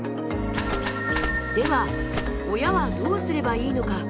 では親はどうすればいいのか。